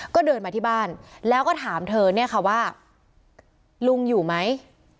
ก็เดินมาที่บ้านแล้วก็ถามเธอเนี่ยค่ะว่าลุงอยู่ไหม